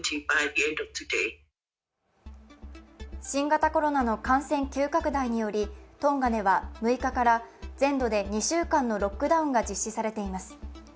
新型コロナの感染急拡大によりトンガでは６日から全土で２週間のロックダウンが実施されています。